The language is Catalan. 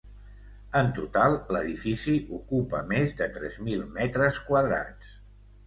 En total, l'edifici ocupa més de tres mil metres quadrats.